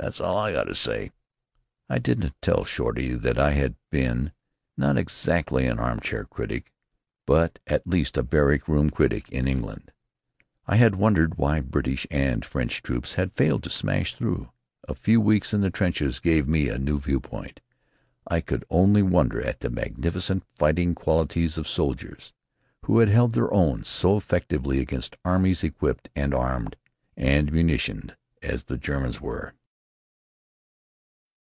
That's all I got to s'y." I didn't tell Shorty that I had been, not exactly an armchair critic, but at least a barrack room critic in England. I had wondered why British and French troops had failed to smash through. A few weeks in the trenches gave me a new viewpoint. I could only wonder at the magnificent fighting qualities of soldiers who had held their own so effectively against armies equipped and armed and munitioned as the Germans were.